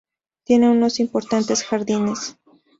Tiene unos importantes jardines.